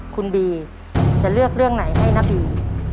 คุณบีจะเลือกเรื่องไหนให้น้าบี